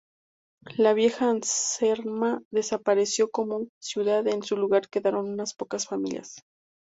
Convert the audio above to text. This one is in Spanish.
La "Vieja Anserma" desapareció como ciudad, en su lugar quedaron unas pocas familias.